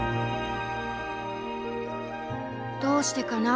「どうしてかな